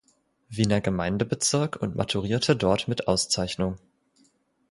Wiener Gemeindebezirk und maturierte dort mit Auszeichnung.